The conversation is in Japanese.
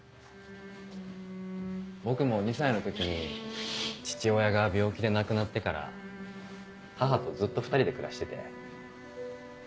僕も２歳の時に父親が病気で亡くなってから母とずっと２人で暮らしてて。